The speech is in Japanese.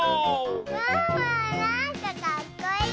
ワンワンなんかかっこいい！